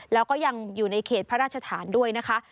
แล้วก็ยังอยู่ในเขตพระราชฐานด้วยนะคะ